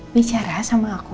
bicara sama aku